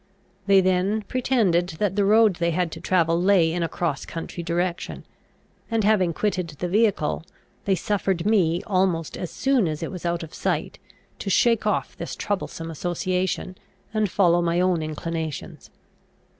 They then pretended that the road they had to travel lay in a cross country direction; and, having quitted the vehicle, they suffered me, almost as soon as it was out of sight, to shake off this troublesome association, and follow my own inclinations.